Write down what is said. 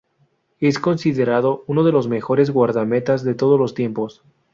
Es considerado uno de los mejores guardametas de todos los tiempos.